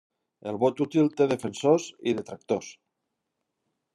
El vot útil té defensors i detractors.